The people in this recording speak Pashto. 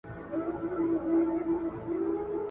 له پروازه وه لوېدلي شهپرونه ,